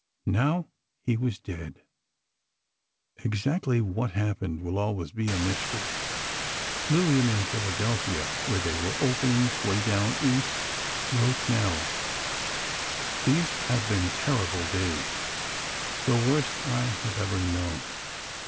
Now, he was dead. Exactly what happened will always be a mystery. Lillian, in Philadelphia, where they were opening "Way Down East," wrote Nell: These have been terrible days—the worst I have ever known.